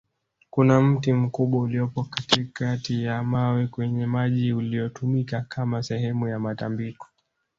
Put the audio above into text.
kuna mti mkubwa uliopo katikati ya mawe kwenye maji uliotumika Kama sehemu ya matambiko